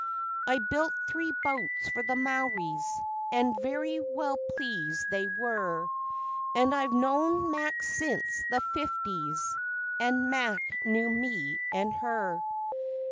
I built three boats for the Maoris, an' very well pleased they were, An' I've known Mac since the Fifties, and Mac knew me and her.